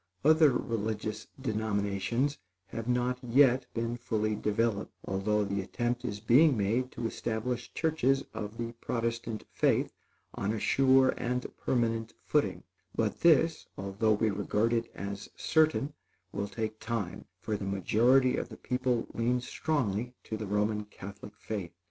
Other religious denominations have not yet been fully developed; although the attempt is being made to establish churches of the Protestant faith on a sure and permanent footing; but this, although we regard it as certain, will take time, for the majority of the people lean strongly to the Roman Catholic faith.